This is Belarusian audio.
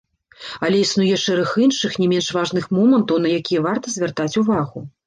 Але існуе шэраг іншых, не менш важных момантаў, на якія варта звяртаць увагу.